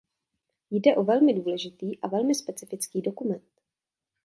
Jde o velmi důležitý a velmi specifický dokument.